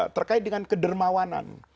terkait dengan kedermawanan